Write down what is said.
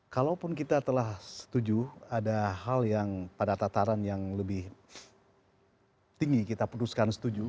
kalaupun kita telah setuju ada hal yang pada tataran yang lebih tinggi kita putuskan setuju